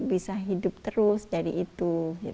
bisa hidup terus dari itu